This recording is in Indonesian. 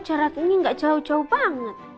jarak ini gak jauh jauh banget